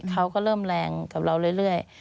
เขาก็เริ่มแรงกับเราเรื่อย